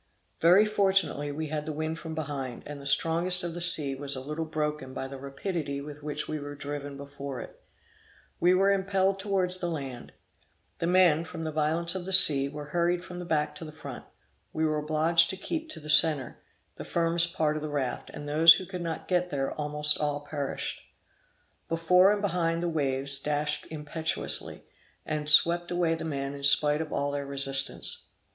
Very fortunately we had the wind from behind, and the strongest of the sea was a little broken by the rapidity with which we were driven before it. We were impelled towards the land. The men, from the violence of the sea, were hurried from the back to the front; we were obliged to keep to the centre, the firmest part of the raft, and those who could not get there almost all perished. Before and behind the waves dashed impetuously, and swept away the men in spite of all their resistance.